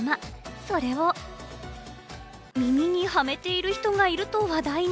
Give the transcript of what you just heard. それを、耳にはめている人がいると話題に。